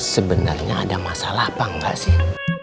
sebenarnya ada masalah apa enggak sih